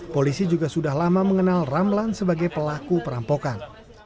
polisi juga sudah lama mengenal ramlan sebagai pelaku perampokan